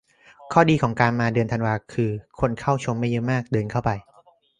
ข้อดีของการมาเดือนธันวาคือ คนเข้าชมไม่เยอะมาก เดินเข้าไป